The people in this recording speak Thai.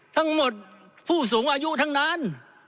ทั้งหมดผู้สูงอายุทั้งนั้น